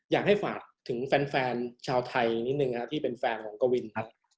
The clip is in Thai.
อยากให้ฝากถึงแฟนชาวไทยนิดนึงที่เป็นแฟนของกวินครับ